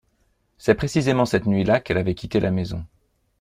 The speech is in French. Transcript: C’est précisément cette nuit-là qu’elle avait quitté la maison.